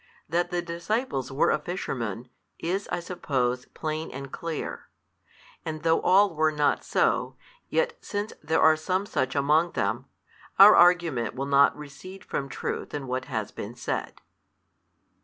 That the disciples were of fishermen, is (I suppose) plain and clear: and though all were not so, yet since there are some such among them, our argument will not recede from truth in what has been said.